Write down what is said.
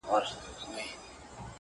اوس د چا پر پلونو پل نږدم بېرېږم ـ